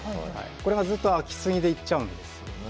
これが、ずっとあきすぎでいっちゃうんですよ。